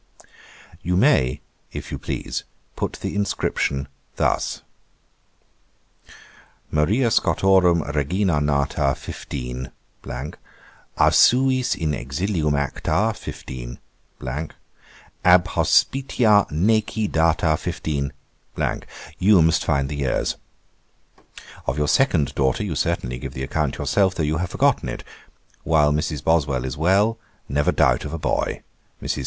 'You may, if you please, put the inscription thus: "Maria Scotorum Regina nata 15 , a suis in exilium acta 15 , ab hospitá neci data 15 ." You must find the years. 'Of your second daughter you certainly gave the account yourself, though you have forgotten it. While Mrs. Boswell is well, never doubt of a boy. Mrs.